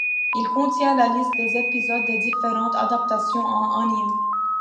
Il contient la liste des épisodes des différentes adaptations en anime.